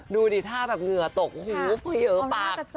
ดูดิท่าแบบเหงื่อตกหูเยอปาก